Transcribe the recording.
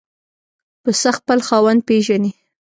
پسه خپل خاوند پېژني.